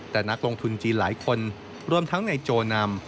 แต่นักลงทุนจีนหลายคนรวมทั้งในโจนำ